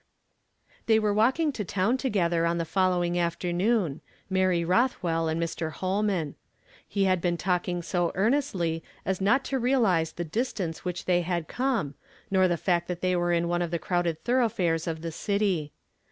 They were walking to tosvn together v^„i the fol lowing afternoon — Mary Rothwell and INIr. Hoi man. He had been talking so earnestly as not to realize the distance which they had come, nor the fact that they were in one of the crowded thor oughfares of the city.